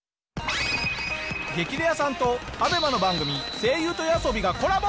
『激レアさん』とＡＢＥＭＡの番組『声優と夜あそび』がコラボ。